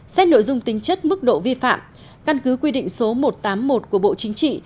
xét nội dung tính chất mức độ vi phạm căn cứ quy định số một trăm tám mươi một của bộ chính trị